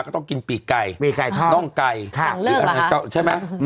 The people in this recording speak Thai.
ก็ต้องกินปีกไก่ปีกไก่ทอดน้องไก่ค่ะหลังเลิกหรอฮะใช่ไหมอืม